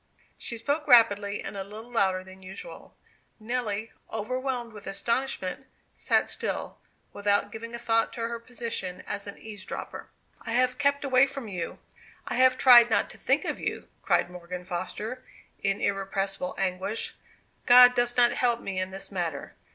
She spoke rapidly, and a little louder than usual. Nelly, overwhelmed with astonishment, sat still, without giving a thought to her position as an eavesdropper. "I have kept away from you I have tried not to think of you!" cried Morgan Foster, in irrepressible anguish. "God does not help me in this matter.